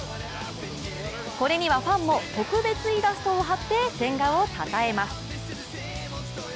これにはファンも特別イラストを貼って千賀をたたえます。